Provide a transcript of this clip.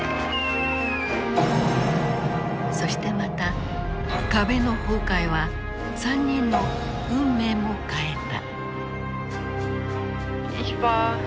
そしてまた壁の崩壊は３人の運命も変えた。